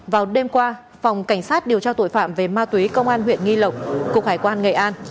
vào đêm qua phòng cảnh sát điều tra tội phạm về ma túy công an huyện nghi lộc cục hải quan nghệ an